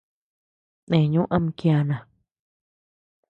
Neñu ama kiana.